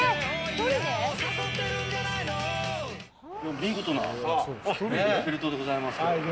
見事なエッフェル塔でございますけど。